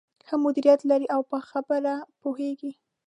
ښه مديريت لري او په خبره پوهېږې.